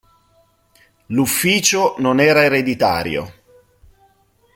L'ufficio non era ereditario.